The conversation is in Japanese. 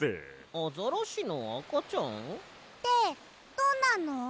アザラシのあかちゃん？ってどんなの？